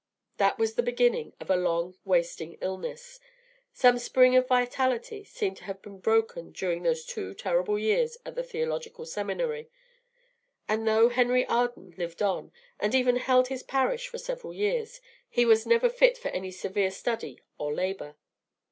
That was the beginning of a long wasting illness. Some spring of vitality seemed to have been broken during those two terrible years at the theological seminary; and though Henry Arden lived on, and even held his parish for several years, he was never fit for any severe study or labor.